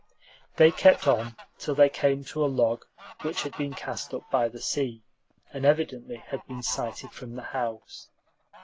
They kept on till they came to a log which had been cast up by the sea, and evidently had been sighted from the house.